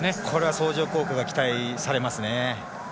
相乗効果が期待されますね。